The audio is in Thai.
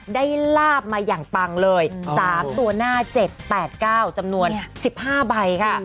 ลาบมาอย่างปังเลย๓ตัวหน้า๗๘๙จำนวน๑๕ใบค่ะ